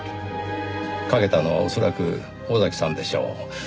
かけたのは恐らく尾崎さんでしょう。